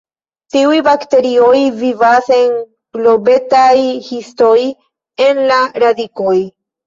Tiuj bakterioj vivas en globetaj histoj en la radikoj.